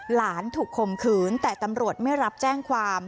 หลานถูกข่มขืนแต่ตำรวจไม่รับแจ้งความ